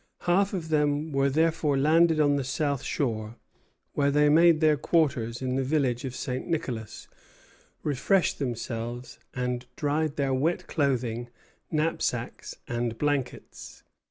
Half of them were therefore landed on the south shore, where they made their quarters in the village of St. Nicolas, refreshed themselves, and dried their wet clothing, knapsacks, and blankets.